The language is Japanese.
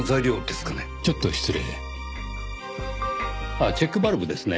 ああチェックバルブですね。